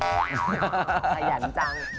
สายหยันจัง